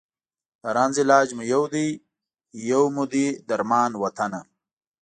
د رنځ علاج مو یو دی، یو مو دی درمان وطنه